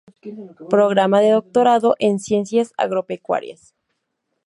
Programa de Doctorado en Ciencias Agropecuarias.